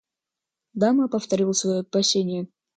Дама повторила свое опасение.